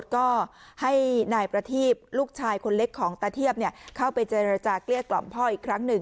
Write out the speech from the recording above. ก็ให้นายประทีบลูกชายคนเล็กของตาเทียบเข้าไปเจรจาเกลี้ยกล่อมพ่ออีกครั้งหนึ่ง